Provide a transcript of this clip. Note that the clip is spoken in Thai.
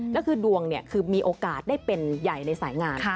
แล้วคือดวงคือมีโอกาสได้เป็นใหญ่ในสายงาน